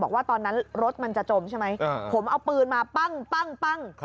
บอกว่าตอนนั้นรถมันจะจมใช่ไหมผมเอาปืนมาปั้ง